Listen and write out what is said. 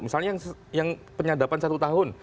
misalnya yang penyadapan satu tahun